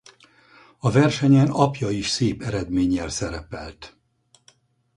A versenyen apja is szép eredménnyel szerepelt.